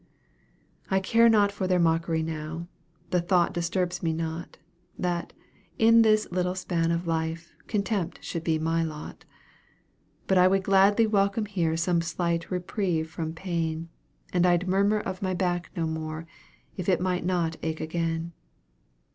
I care not for their mockery now the thought disturbs me not, That, in this little span of life, contempt should be my lot; But I would gladly welcome here some slight reprieve from pain, And I'd murmur of my back no more, if it might not ache again.